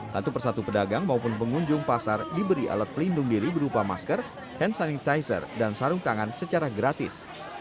satu persatu pedagang maupun pengunjung pasar diberi alat pelindung diri berupa masker hand sanitizer dan sarung tangan secara gratis